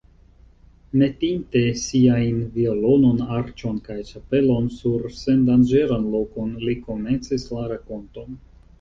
Metinte siajn violonon, arĉon kaj ĉapelon sur sendanĝeran lokon, li komencis la rakonton.